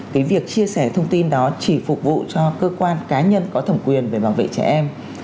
cái việc chia sẻ thông tin đó chỉ phục vụ cho cơ quan cá nhân có thẩm quyền về bảo vệ trẻ em